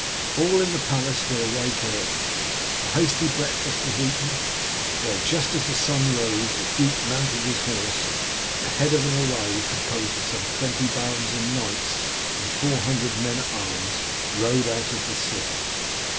All in the palace were awake early. A hasty breakfast was eaten, while just as the sun rose the duke mounted his horse, and at the head of an array, composed of some twenty barons and knights and four hundred men at arms, rode out of the city.